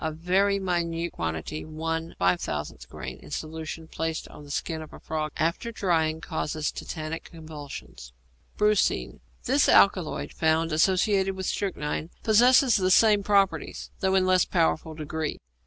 A very minute quantity (1/5000 grain) in solution placed on the skin of a frog after drying causes tetanic convulsions. =Brucine.= This alkaloid, found associated with strychnine, possesses the same properties, though in a less powerful degree.